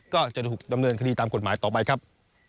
ก็จะถูกดำเนินคดีตามกฎหมายต่อไปครับ